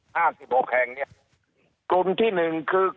ห้าสิบหกแห่งเนี้ยกลุ่มที่หนึ่งคือ